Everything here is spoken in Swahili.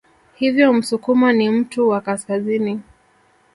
Hivyo Msukuma ni mtu wa Kaskazini